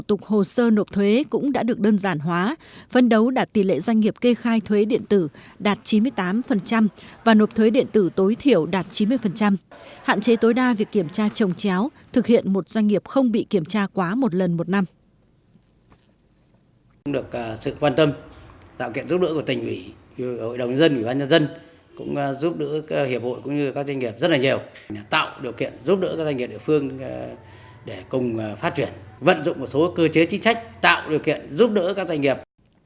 tạo điều kiện giúp đỡ các doanh nghiệp địa phương để cùng phát triển vận dụng một số cơ chế chính trách tạo điều kiện giúp đỡ các doanh nghiệp